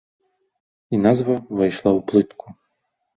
І назва ўвайшла ў плытку!